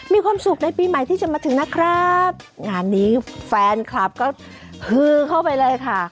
มีความสุขในปีใหม่ที่จะมาถึงนะครับงานนี้แฟนคลับก็ฮือเข้าไปเลยค่ะ